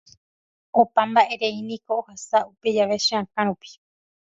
Opa mba'erei niko ohasa upe jave che akã rupi.